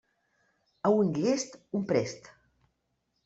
A un llest, un prest.